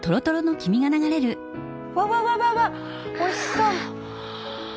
わわわわわっおいしそう！